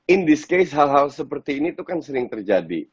in this case hal hal seperti ini tuh kan sering terjadi